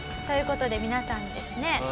という事で皆さんにですね